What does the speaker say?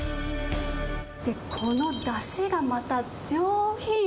で、このだしがまた上品。